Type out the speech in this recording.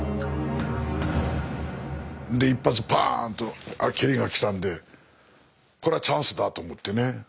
一発パーン！と蹴りがきたんでこれはチャンスだと思ってね